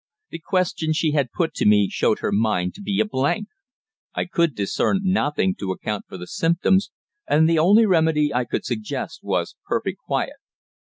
The question she had put to me showed her mind to be a blank. I could discern nothing to account for the symptoms, and the only remedy I could suggest was perfect quiet.